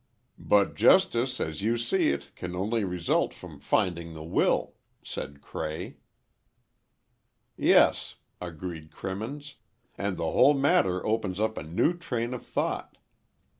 "But justice, as you see it, can only result from finding the will," said Cray. "Yes," agreed Crimmins, "and the whole matter opens up a new train of thought.